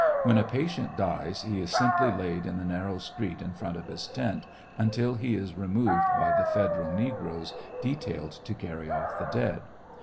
When a patient dies he is simply laid in the narrow street iu front of his tent, until he is removed by the federal negroes detailed to carry off the dead.